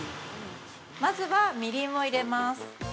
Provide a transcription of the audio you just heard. ◆まずは、みりんを入れます。